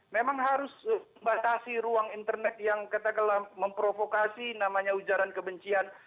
memang harus batasi ruang internet yang katakanlah memprovokasi namanya ujaran kebencian